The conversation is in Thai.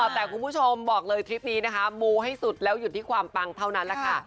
แต่คุณผู้ชมบอกเลยทริปนี้นะคะมูให้สุดแล้วหยุดที่ความปังเท่านั้นแหละค่ะ